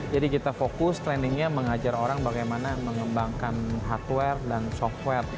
jadi kita fokus trainingnya mengajar orang bagaimana mengembangkan hardware dan software